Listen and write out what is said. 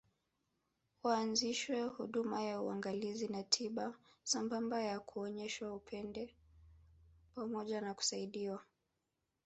Waanzishiwe huduma ya uangalizi na tiba sambamba na kuonyeshwa upendo pamoja na kusaidiwa